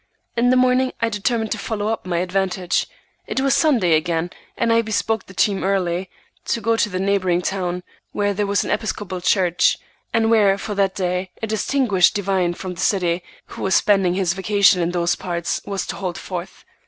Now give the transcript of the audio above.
In the morning I determined to follow up my advantage. It was Sunday again, and I bespoke the team early, to go to the neighboring town, where there was an Episcopal church, and where, for that day, a distinguished divine from the city, who was spending his vacation in those parts, was to hold forth.